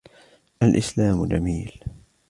الإسلام جميل.